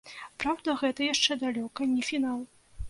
Праўда, гэта яшчэ далёка не фінал.